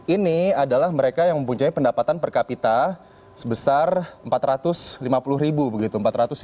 ini adalah mereka yang mempunyai pendapatan per kapita sebesar empat ratus lima puluh begitu empat ratus lima puluh